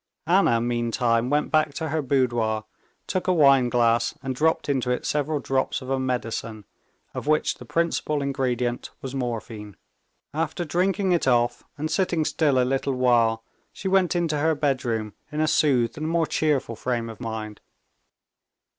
Anna meantime went back to her boudoir, took a wine glass and dropped into it several drops of a medicine, of which the principal ingredient was morphine. After drinking it off and sitting still a little while, she went into her bedroom in a soothed and more cheerful frame of mind.